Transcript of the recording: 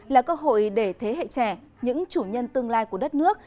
là cơ hội để thế hệ trẻ những chủ nhân tương lai của đất nước